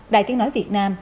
đài tiếng nói việt nam